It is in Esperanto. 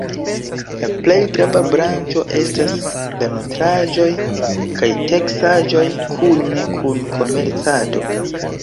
La plej grava branĉo estas la nutraĵoj kaj teksaĵoj kune kun komercado.